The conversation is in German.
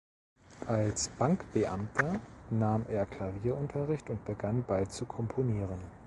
Als Bankbeamter nahm er Klavierunterricht und begann bald zu komponieren.